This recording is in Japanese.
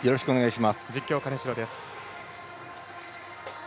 実況、金城です。